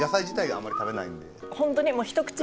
あんまり食べないんで。